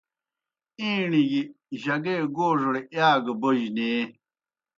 ایݨیْ گیْ جگے گوڙوْڑ ایا گہ بوجہ نیں۔